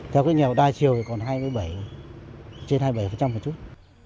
theo cái nghèo đa chiều thì còn hai mươi bảy trên hai mươi bảy một chút